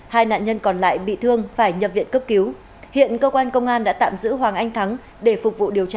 hai nạn nhân còn lại bị thương phải nhập viện cấp cứu hiện cơ quan công an đã tạm giữ hoàng anh thắng để phục vụ điều tra